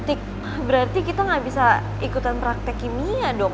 berarti kita gak bisa ikutan praktek kimia dong